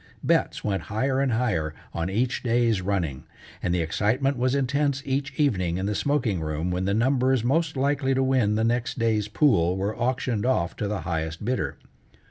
Bets went higher and higher on each day's running, and the excitement was intense each evening in the smoking room when the numbers most likely to win the next day's pool were auctioned off to the highest bidder.